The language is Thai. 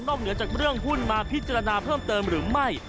เหนือจากเรื่องหุ้นมาพิจารณาเพิ่มเติมหรือไม่